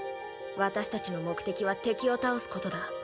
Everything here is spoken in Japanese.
私たちの目的は敵を倒すことだ。